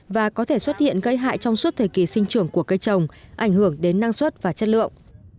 và có thể xuất hiện gây hại trong suốt thời kỳ sinh trưởng của cây trồng ảnh hưởng đến năng suất và chất lượng